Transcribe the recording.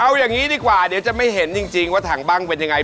เอาอย่างนี้ดีกว่าเดี๋ยวจะไม่เห็นจริงว่าถังบ้างเป็นยังไง